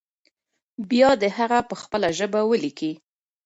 بيا دې هغه په خپله ژبه ولیکي.